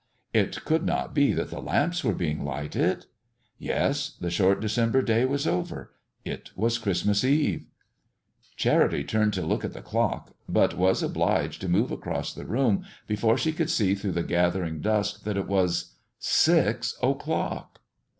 It could not be that the lamps were being lighted! Yes, the short December day was over it was Christmas Eve. Charity turned to look at the clock, but was obliged to move across the room before she could see through the gathering dusk, that it was six o'clock!